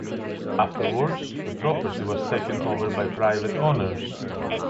Afterwards, the property was taken over by private owners.